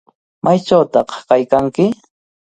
¿Maychawtaq kaykanki?